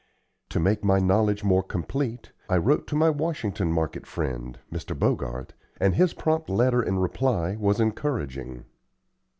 To make my knowledge more complete I wrote to my Washington Market friend, Mr. Bogart, and his prompt letter in reply was encouraging.